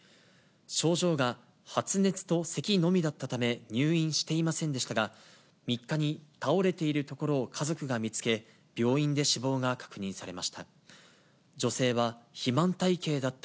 症状が発熱とせきのみだったため、入院していませんでしたが、３日に倒れているところを家族が見つけ、病院で死亡が確認されました。